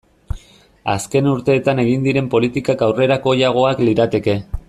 Azken urteetan egin diren politikak aurrerakoiagoak lirateke.